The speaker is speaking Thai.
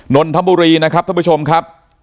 นนทบุรีนะครับท่านผู้ชมครับ